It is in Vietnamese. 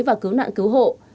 và cứu nạn cứu hộ